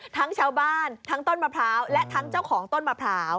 ทั้งชาวบ้านทั้งต้นมะพร้าวและทั้งเจ้าของต้นมะพร้าว